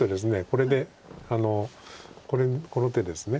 これでこの手です。